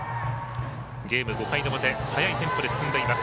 ゲーム、５回の表速いテンポで進んでいます。